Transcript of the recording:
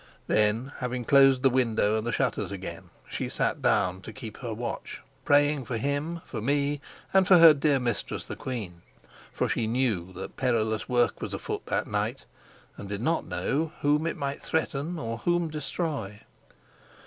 Then, having closed the window and the shutters again, she sat down to keep her watch, praying for him, for me, and for her dear mistress the queen. For she knew that perilous work was afoot that night, and did not know whom it might threaten or whom destroy.